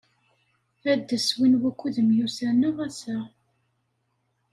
Ades win wukud myussaneɣ ass-a!